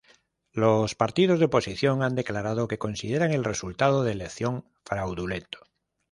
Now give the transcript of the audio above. Los partidos de oposición han declarado que consideran el resultado de elección fraudulento.